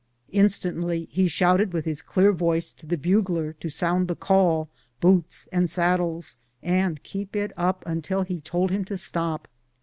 Instantly he shouted with his clear voice to the bugler to sound the call, "Boots and saddles," and keep it up until he told him to stop.